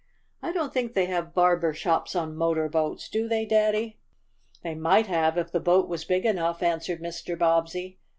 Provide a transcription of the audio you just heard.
"I don't think they have barber shops on motor boats, do they, Daddy?" "They might have if the boat was big enough," answered Mr. Bobbsey.